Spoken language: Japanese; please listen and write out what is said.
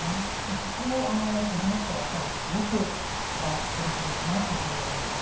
そこを補ってらっしゃるのですごくすばらしい取り組みだなというふうに思いました。